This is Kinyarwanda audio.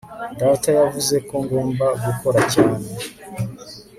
Data yavuze ko ngomba gukora cyane